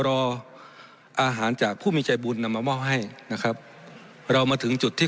รออาหารจากผู้มีใจบุญนำมามอบให้นะครับเรามาถึงจุดที่